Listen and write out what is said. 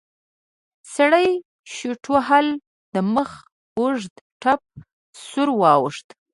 سړي شټوهل د مخ اوږد ټپ سور واوښت.